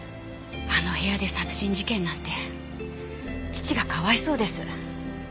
あの部屋で殺人事件なんて父がかわいそうです。